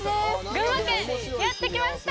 群馬県やって来ました！